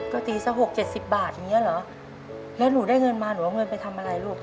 ก็ตีสักหกเจ็ดสิบบาทอย่างเงี้เหรอแล้วหนูได้เงินมาหนูเอาเงินไปทำอะไรลูก